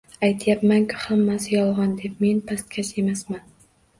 Aytayapman-ku, hammasi yolg`on deb, men pastkash emasman